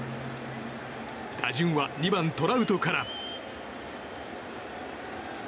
打順は２番、トラウトから。